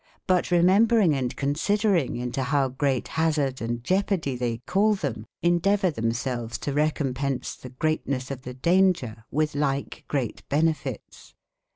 But re membring ^ considering into bow great basarde andjeopardie tbey cal tbem, en devoure tbemselves to recompence tbe greatnes of tbe daunger witb like great benefites.